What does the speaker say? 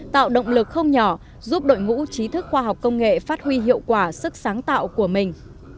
tạo động lực không nhỏ giúp đội ngũ trí thức khoa học công nghệ phát huy hiệu quả sức sáng tạo của mình